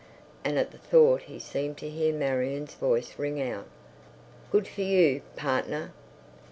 And at the thought he seemed to hear Marion's voice ring out, "Good for you, partner....